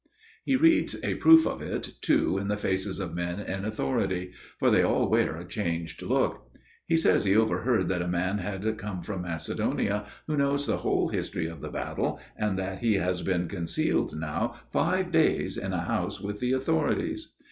He reads a proof of it too in the faces of men in authority; for they all wear a changed look. He says he overheard that a man had come from Macedonia who knows the whole history of the battle, and that he has been concealed now five days in a house with the authorities.